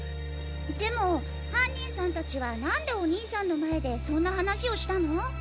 でも犯人さんたちはなんでお兄さんの前でそんな話をしたの？